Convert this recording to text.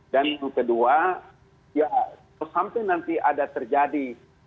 dan yang kedua ya sampai nanti ada terjadi